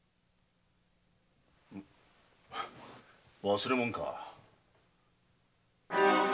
忘れ物か。